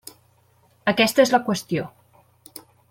Aquesta és la qüestió.